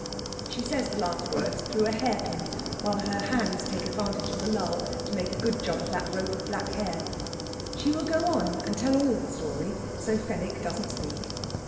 She says the last words through a hairpin, while her hands take advantage of the lull to make a good job of that rope of black hair. She will go on and tell all the story; so Fenwick doesn't speak.